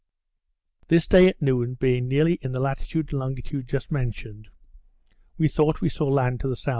This day, at noon, being nearly in the latitude and longitude just mentioned, we thought we saw land to the S.W.